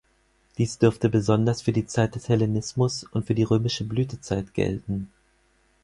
Dies dürfte besonders für die Zeit des Hellenismus und für die römische Blütezeit gelten.